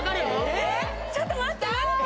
えっちょっと待ってきた！